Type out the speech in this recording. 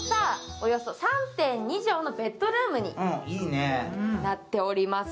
およそ３．２畳のベッドルームになっております。